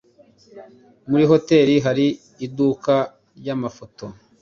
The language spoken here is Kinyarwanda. Muri hoteri hari iduka ryamafoto?